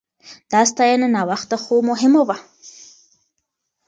دا ستاينه ناوخته خو مهمه وه.